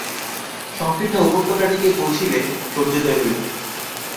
সঙ্কীর্ণ উপত্যকাটিতে পৌঁছিলে সূর্যোদয় হইল।